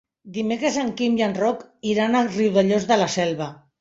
Dimecres en Quim i en Roc iran a Riudellots de la Selva.